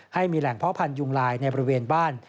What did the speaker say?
ให้มีแหล่งเพาะพันธุงลายในบริเวณบ้าน